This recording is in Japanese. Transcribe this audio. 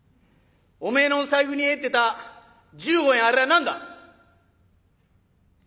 おめえの財布に入ってた１５円あれは何だ！」。